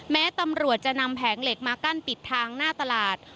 แม้ตำรวจจะนำแผงเหล็กมากั้นปิดทางหน้าตลาด